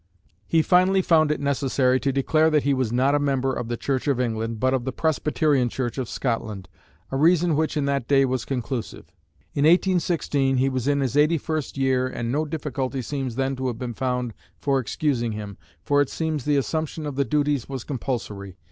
He finally found it necessary to declare that he was not a member of the Church of England, but of the Presbyterian church of Scotland, a reason which in that day was conclusive. In 1816, he was in his eighty first year, and no difficulty seems then to have been found for excusing him, for it seems the assumption of the duties was compulsory.